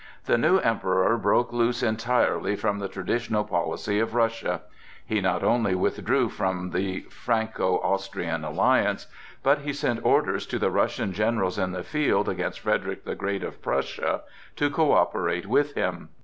The new Emperor broke loose entirely from the traditional policy of Russia; he not only withdrew from the Franco Austrian alliance, but he sent orders to the Russian generals in the field against Frederick the Great of Prussia to coöperate with him.